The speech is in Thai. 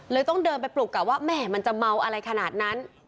ต้องเดินไปปลุกกับว่าแม่มันจะเมาอะไรขนาดนั้น